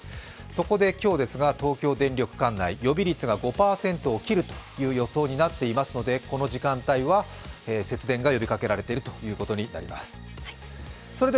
そこで今日東京電力管内、予備率が５％を切るという予想になっていますのでこの時間帯は節電が呼びかけられているということになります。